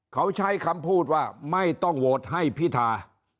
เขาใช้คำพูดว่าไม่ต้องโหวตให้พิธา